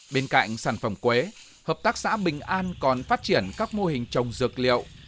bên cạnh sản phẩm quế hợp tác xã bình an còn phát triển các mô hình trồng dược liệu